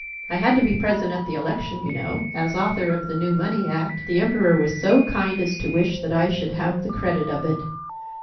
I had to be present at the Election, you know, as the author of the new Money act. The Emperor was so kind as to wish that I should have the credit of it.